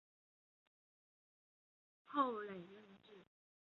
后累任至南京大理寺丞。